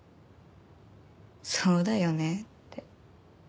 そうだよねって。